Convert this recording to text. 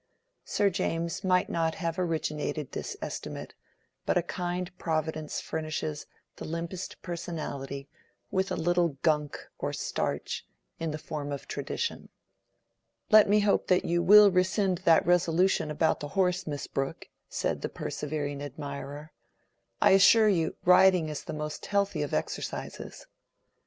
Sir James might not have originated this estimate; but a kind Providence furnishes the limpest personality with a little gum or starch in the form of tradition. "Let me hope that you will rescind that resolution about the horse, Miss Brooke," said the persevering admirer. "I assure you, riding is the most healthy of exercises."